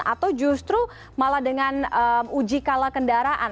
atau justru malah dengan uji kala kendaraan